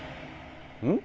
うん？